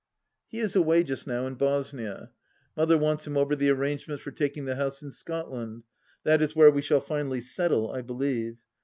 He is away just now — in Bosnia. Mother wants him over the arrangements for taking the house in Scotland ; that is where we shall finally settle, I believe.